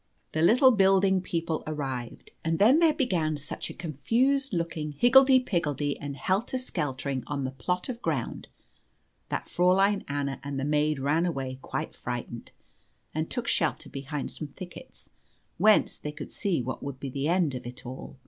The little building people arrived, and then there began such a confused looking, higgledy piggledy, and helter skeltering on the plot of ground that Fräulein Anna and the maid ran away quite frightened, and took shelter behind some thickets, whence they could see what would be the end of it all.